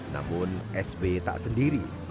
namun sb tak sendiri